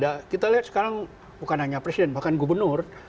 ya kita lihat sekarang bukan hanya presiden bahkan gubernur